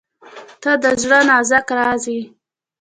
• ته د زړه نازک راز یې.